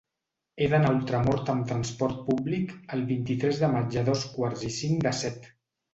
He d'anar a Ultramort amb trasport públic el vint-i-tres de maig a dos quarts i cinc de set.